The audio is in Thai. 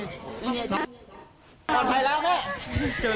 เพื่อนบ้านเจ้าหน้าที่อำรวจกู้ภัย